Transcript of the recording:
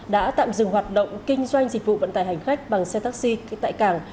đã tạm dừng hoạt động kinh doanh dịch vụ vận tải hành khách bằng xe taxi tại cảng